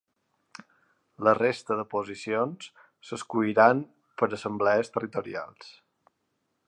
La resta de posicions s’escolliran per assemblees territorials.